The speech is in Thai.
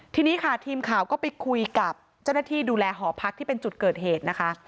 ทีนี้ค่ะทีมข่าวก็ไปคุยกับเจ้าหน้าที่ดูแลหอพักที่เป็นจุดเกิดเหตุนะคะ